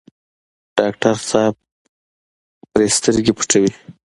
ډاکټر صاحب پرې سترګې پټوي.